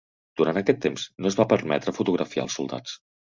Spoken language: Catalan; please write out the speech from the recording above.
Durant aquest temps, no es va permetre fotografiar els soldats.